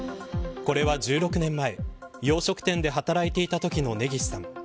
これは、１６年前洋食店で働いていたときの根岸さん。